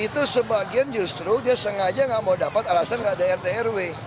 itu sebagian justru dia sengaja nggak mau dapat alasan nggak ada rt rw